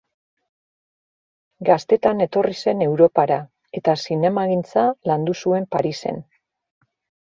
Gaztetan etorri zen Europara eta zinemagintza landu zuen Parisen.